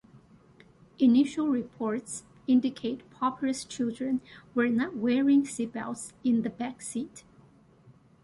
Initial reports indicate Popper's children were not wearing seatbelts in the backseat.